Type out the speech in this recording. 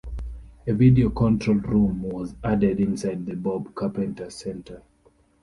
A video control room was added inside the Bob Carpenter Center.